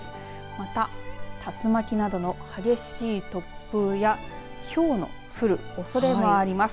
また、竜巻などの激しい突風やひょうの降るおそれもあります。